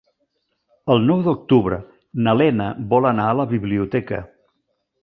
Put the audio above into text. El nou d'octubre na Lena vol anar a la biblioteca.